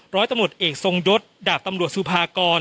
ร้อยตำรวจเอกทรงยศดาบตำรวจสุภากร